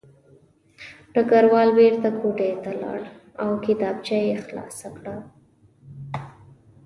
ډګروال بېرته کوټې ته لاړ او کتابچه یې خلاصه کړه